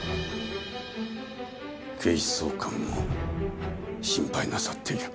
警視総監も心配なさっている。